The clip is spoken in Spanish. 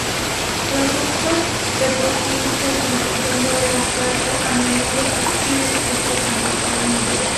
Productos petroquímicos, incluyendo el asfalto, a menudo exhiben este comportamiento.